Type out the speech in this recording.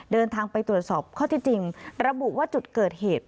เดินทางไปตรวจสอบข้อที่จริงระบุว่าจุดเกิดเหตุ